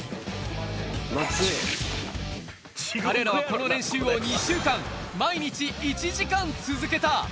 彼らはこの練習を２週間、毎日１時間続けた。